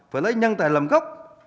phải lấy nhân tài làm góc